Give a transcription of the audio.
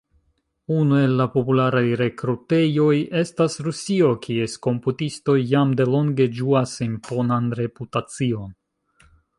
Unu el la popularaj rekrutejoj estas Rusio, kies komputistoj jam delonge ĝuas imponan reputacion.